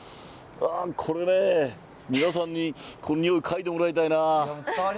これね、皆さんにこの匂い、嗅いでもらいたいな。